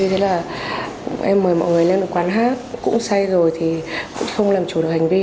thế là em mời mọi người lên một quán hát cũng say rồi thì cũng không làm chủ được hành vi